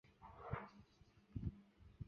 人种上与文化上已伊朗化。